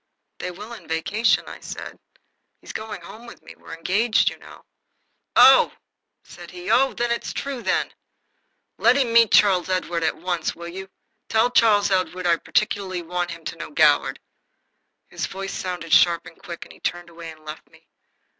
"They will in vacation," I said. "He's going home with me. We're engaged, you know." "Oh!" said he. "Oh! Then it is true. Let him meet Charles Edward at once, will you? Tell Charles Edward I particularly want him to know Goward." His voice sounded sharp and quick, and he turned away and left me.